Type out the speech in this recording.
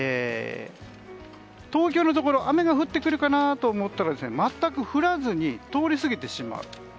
東京のところ雨が降ってくるかと思ったら全く降らずに通り過ぎてしまう。